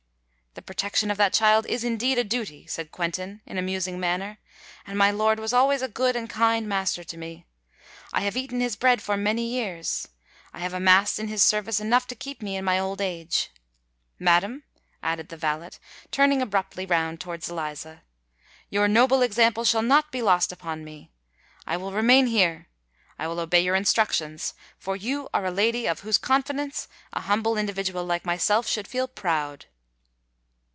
"The protection of that child is indeed a duty," said Quentin, in a musing manner; "and my lord was always a good and kind master to me! I have eaten his bread for many years—I have amassed in his service enough to keep me in my old age! Madam," added the valet, turning abruptly round towards Eliza, "your noble example shall not be lost upon me! I will remain here—I will obey your instructions—for you are a lady of whose confidence a humble individual like myself should feel proud!"